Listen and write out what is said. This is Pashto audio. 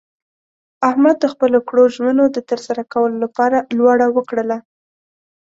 احمد د خپلو کړو ژمنو د ترسره کولو لپاره لوړه وکړله.